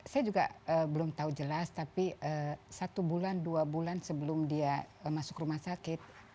saya juga belum tahu jelas tapi satu bulan dua bulan sebelum dia masuk rumah sakit